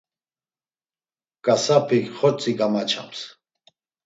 Ǩasap̌ik xortzi gamaçams.